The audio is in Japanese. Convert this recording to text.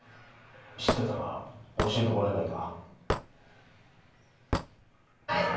知っていたら教えてもらえないか。